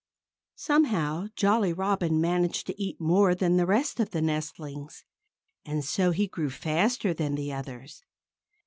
Somehow, Jolly Robin managed to eat more than the rest of the nestlings. And so he grew faster than the others.